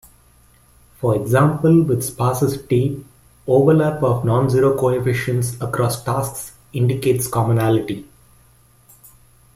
For example with sparsity, overlap of nonzero coefficients across tasks indicates commonality.